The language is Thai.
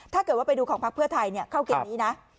ถ้าเกิดว่าไปดูของพักเพื่อไทยเข้าเกมนี้นะ